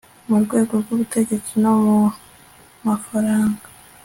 mu rwego rw ubutegetsi no mu mafaranga